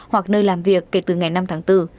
hoặc nơi làm việc kể từ ngày năm tháng bốn